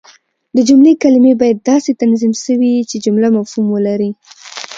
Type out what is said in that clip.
د جملې کلیمې باید داسي تنظیم سوي يي، چي جمله مفهوم ولري.